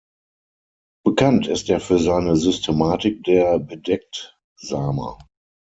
Bekannt ist er für seine Systematik der Bedecktsamer.